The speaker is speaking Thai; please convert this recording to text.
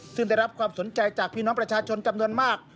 ซึ่งได้รับความสนใจจากพี่น้องประชาชนจำนวนมาก